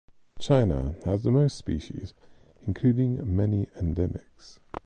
China has the most species, including many endemics.